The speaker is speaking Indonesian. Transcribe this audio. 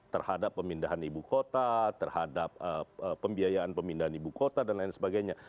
terhadap pemindahan ibu kota terhadap pembiayaan pemindahan ibu kota dan lain sebagainya